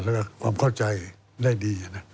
และความเข้าใจได้ดี